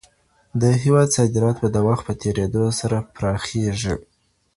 د هيواد صادرات به د وخت په تيريدو سره پراخيږي.